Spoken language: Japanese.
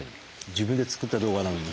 自分で作った動画なのに。